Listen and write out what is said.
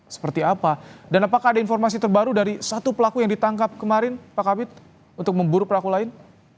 seperti apa dan apakah ada informasi terbaru dari satu pelaku yang ditangkap kemarin pak kabit untuk memburu pelaku lain